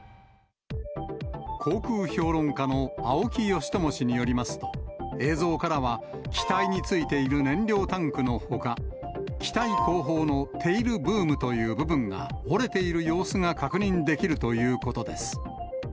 航空評論家の青木謙知氏によりますと、映像からは機体についている燃料タンクのほか、機体後方のテイルブームという部分が、折れている様子が確認できるということです。